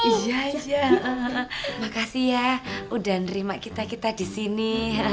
iya makasih ya udah nerima kita kita di sini